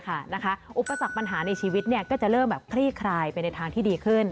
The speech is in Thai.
อุปสรรคปัญหาในชีวิตก็จะเริ่มแบบคลี่คลายไปในทางที่ดีขึ้น